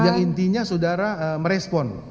yang intinya saudara merespon